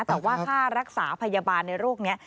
แต่ว่าค่ารักษาพยาบาลในโรคนี้